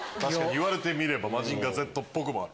言われてみればマジンガーＺっぽくもある。